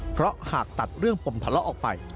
เพราะหากตัดเรื่องปมทะเลาะออกไป